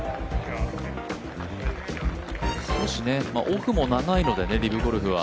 少しオフも長いのでリブゴルフは。